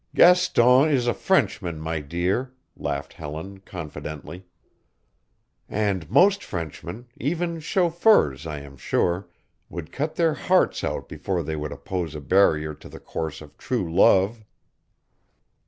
"Gaston is a Frenchman, my dear," laughed Helen, confidently, "and most Frenchmen even chauffeurs, I am sure would cut their hearts out before they would oppose a barrier to the course of true love."